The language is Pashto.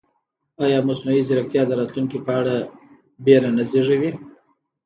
ایا مصنوعي ځیرکتیا د راتلونکي په اړه وېره نه زېږوي؟